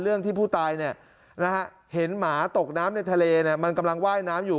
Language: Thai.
เรื่องที่ผู้ตายเนี่ยนะฮะเห็นหมาตกน้ำในทะเลเนี่ยมันกำลังไหว้น้ำอยู่